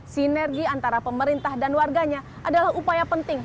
sinergi antara pemerintah dan warganya adalah upaya penting